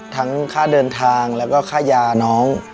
ค่าเดินทางแล้วก็ค่ายาน้อง